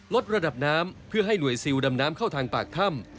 ลดระดับน้ำเพื่อให้หน่วยซิลดำน้ำเข้าทางปากถ้ำ